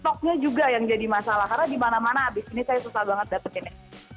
stoknya juga yang jadi masalah karena dimana mana habis ini saya susah banget dapet ini